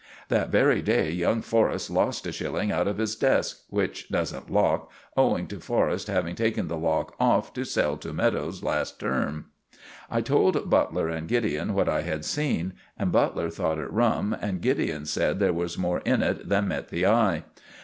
That very day young Forrest lost a shilling out of his desk, which doesn't lock, owing to Forrest having taken the lock off to sell to Meadowes last term. I told Butler and Gideon what I had seen, and Butler thought it rum, and Gideon said there was more in it than met the eye.